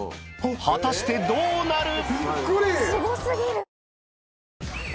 果たしてどうなる？